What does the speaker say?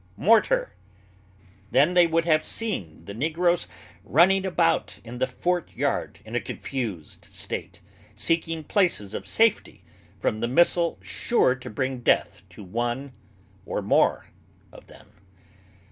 Mortar!" Then they would have seen the negroes running about in the fort yard in a confused state, seeking places of safety from the missile sure to bring death to one or more of them.